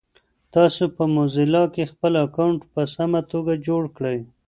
تاسو په موزیلا کې خپل اکاونټ په سمه توګه جوړ کړی؟